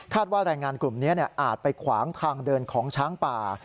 ว่าแรงงานกลุ่มนี้อาจไปขวางทางเดินของช้างป่า